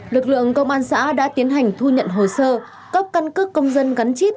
lực lượng công an xã đã tiến hành thu nhận hồ sơ cấp căn cước công dân gắn chip